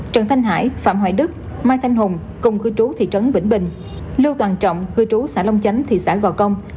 trần thanh hải phạm hoài đức mai thanh hùng cùng cư trú thị trấn vĩnh bình lưu toàn trọng cư trú xã long chánh thị xã gò công